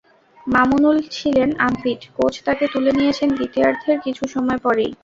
মামুনুল ছিলেন unfit, coach তাকে তুলে নিয়েছেন দ্বিতীয়ার্ধের কিছু সময় পরই।